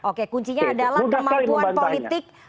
oke kuncinya adalah kemampuan politik